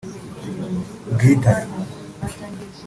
Bwitare